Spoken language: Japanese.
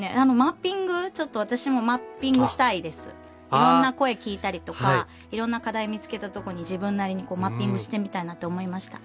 いろんな声聞いたりとかいろんな課題見つけたとこに自分なりにマッピングしてみたいなと思いました。